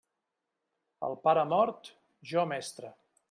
El pare mort, jo mestre.